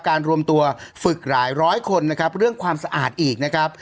รวมตัวฝึกหลายร้อยคนนะครับเรื่องความสะอาดอีกนะครับ